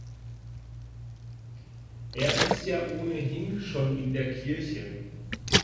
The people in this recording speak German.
Er ist ja ohnehin schon in der Kirche.